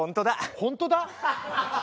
本当だ？